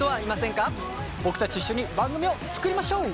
僕たちと一緒に番組を作りましょう！